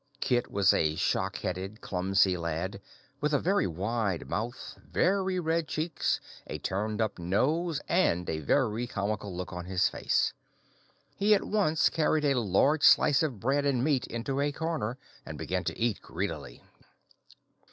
Kit was a shock headed, clumsy lad, with a very wide mouth, very red cheeks, a turned up nose, and a very comical look on his face. He at once carried a large slice of bread and meat into a corner, and began to eat greedily.